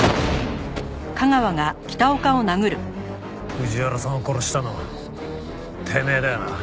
藤原さんを殺したのてめえだよな！？